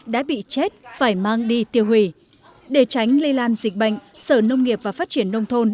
đã bị chết phải mang đi tiêu hủy để tránh lây lan dịch bệnh sở nông nghiệp và phát triển nông thôn